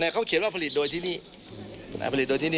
เขาเขียนว่าผลิตโดยที่นี่